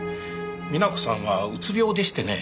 美奈子さんはうつ病でしてね。